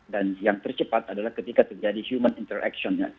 dan yang tercepat adalah ketika terjadi human interaction